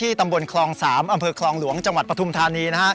ที่ตำบลครองสามอำเภอครองหลวงจังหวัดประทุมธานี